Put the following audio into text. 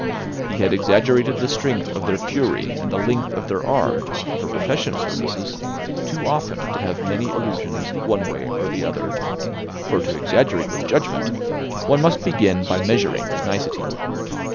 He had exaggerated the strength of their fury and the length of their arm (for professional purposes) too often to have many illusions one way or the other. For to exaggerate with judgment one must begin by measuring with nicety.